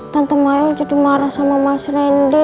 tante mayang jadi marah sama mas randy